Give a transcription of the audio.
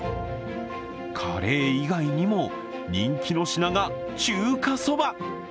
カレー以外にも人気の品が中華そば。